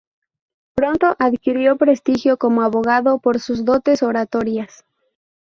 Pronto adquirió prestigio como abogado, por sus dotes oratorias.